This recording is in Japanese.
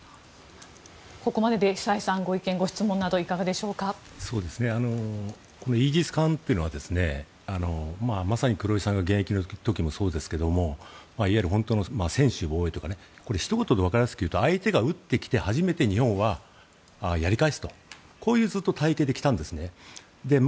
ここまでで久江さんご意見、ご質問などイージス艦というのはまさに黒江さんが現役の時もそうですけどいわゆる本当の専守防衛というかひと言でわかりやすく言うと相手が撃ってきて初めて日本はやり返すとこういう体系で来たんですね。